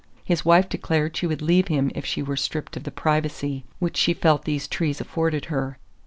His wife declared she would leave him if she were stripped of the "privacy" which she felt these trees afforded her.